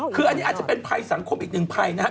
คืออันนี้อาจจะเป็นภัยสังคมอีกหนึ่งภัยนะครับ